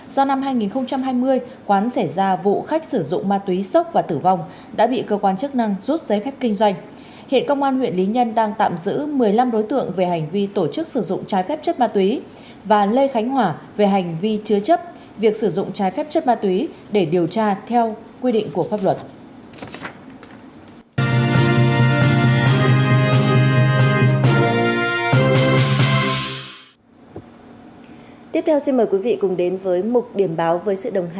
do năm hai nghìn hai mươi quán xảy ra vụ khách sử dụng ma túy sốc và tử vong đã bị cơ quan chức năng rút giấy phép kinh doanh